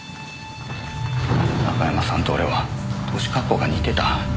中山さんと俺は年恰好が似てた。